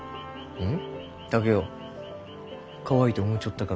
うん？